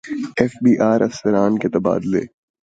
F B R افسران کے تبادلے